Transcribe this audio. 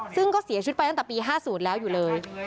ซึ่งก็เสียชีวิตไปตั้งแต่ปี๕๐แล้วอยู่เลย